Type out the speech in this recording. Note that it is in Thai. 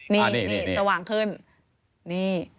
นี่สว่างขึ้น